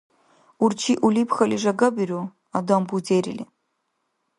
Урчи улибхьали жагабиру, Адам – бузерили.